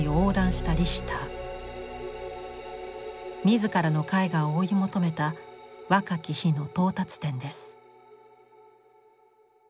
自らの絵画を追い求めた若き日の到達点です。